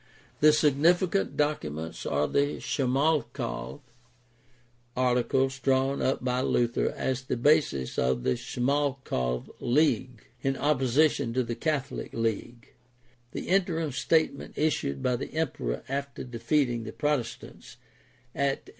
The significant documents are the Schmalkald Articles drawn up by Luther as the basis of the Schmalkald league in opposition to the Catholic league, the Interim statement issued by the emperor after defeating the Protes tants at M.